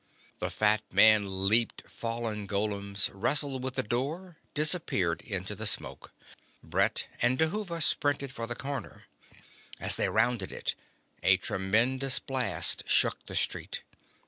The fat man leaped fallen golems, wrestled with the door, disappeared into the smoke. Brett and Dhuva sprinted for the corner. As they rounded it a tremendous blast shook the street.